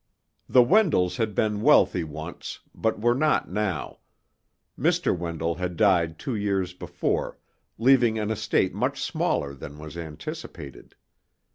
The Wendells had been wealthy once, but were not now. Mr. Wendell had died two years before, leaving an estate much smaller than was anticipated.